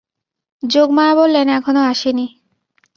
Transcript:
যোগমায়া বললেন, এখনো আসে নি।